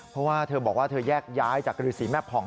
เพราะว่าเธอบอกว่าเธอแยกย้ายจากฤษีแม่ผ่อง